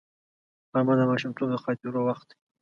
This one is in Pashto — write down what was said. غرمه د ماشومتوب د خاطرو وخت دی